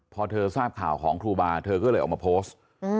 พอเธอทราบข่าวของครูบาเธอก็เลยออกมาโพสต์